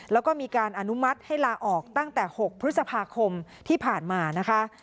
แล้วก็มีการอนุมัติให้ลาออกตั้งแต่๖พฤษภาคมที่ผ่านมานะคะ